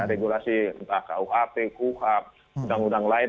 regulasi entah kuhp kuhap undang undang lain